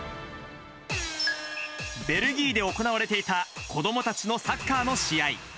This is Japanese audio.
ベルギーで行われていた子どもたちのサッカーの試合。